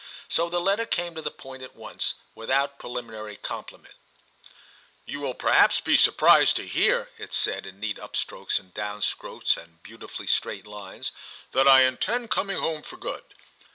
So the letter came to the point at once, without preliminary compliment. I TIM 9 *You will perhaps be surprised to hear/ it said, in neat upstrokes and downstrokes and beautifully straight lines, *that I intend coming home for good.